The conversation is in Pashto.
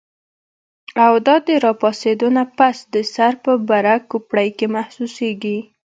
او دا د راپاسېدو نه پس د سر پۀ بره کوپړۍ کې محسوسيږي